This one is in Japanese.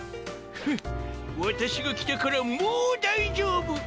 フッわたしが来たからもう大丈夫。